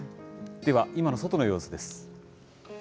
では、今の外の様子です。